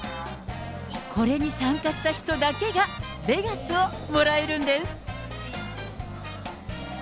これに参加した人だけがベガスをもらえるんです。